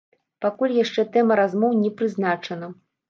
Пакуль яшчэ тэма размоў не прызначана.